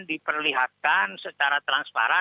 diperlihatkan secara transparan